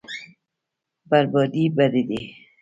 بربادي بد دی.